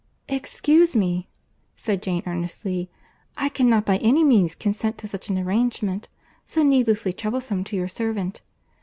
"Excuse me," said Jane earnestly, "I cannot by any means consent to such an arrangement, so needlessly troublesome to your servant.